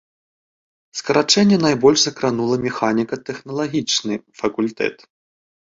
Скарачэнне найбольш закранула механіка-тэхналагічны факультэт.